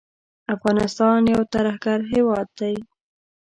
افغانستان یو ترهګر هیواد دی